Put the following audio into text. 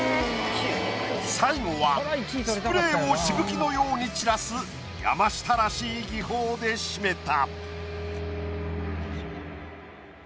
最後はスプレーをしぶきのように散らす山下らしい技法で締めた。